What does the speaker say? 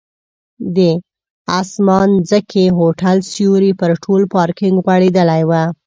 د اسمانځکي هوټل سیوری پر ټول پارکینک غوړېدلی و.